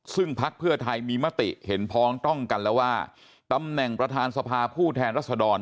ซึ่งพักเพื่อไทยมีมติเห็นพ้องต้องกันแล้วว่าตำแหน่งประธานสภาผู้แทนรัศดร